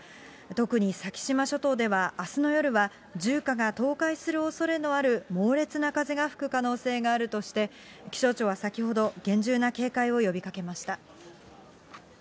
特に先島諸島では、あすの夜は住家が倒壊するおそれのある猛烈な風が吹くおそれがあるとして、気象庁は先ほど厳重な警戒を呼びかけました。